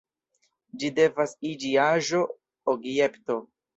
Ĝi devas iĝi aĵo, objekto.